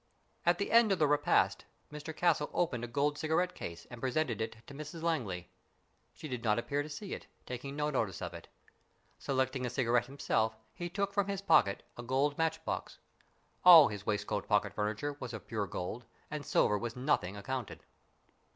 ,At the end of the repast Mr Castle opened a gold cigarette case and presented it to Mrs Langley. She did not appear to see it, taking no notice of it. Selecting a cigarette himself, he took from his pocket a gold matchbox. All his waistcoat pocket furniture was of pure gold, and silver was nothing accounted.